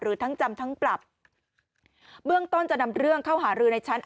ทั้งจำทั้งปรับเบื้องต้นจะนำเรื่องเข้าหารือในชั้น